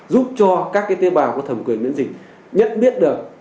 giúp cho các cái tế bào có thẩm quyền miễn dịch nhận biết được